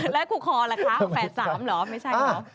แล้วกูคอล่ะคะแฝด๓เหรอไม่ใช่เหรอ